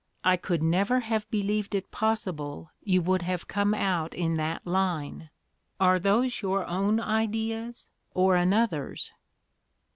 I could never have believed it possible you would have come out in that line. Are those your own ideas or another's?"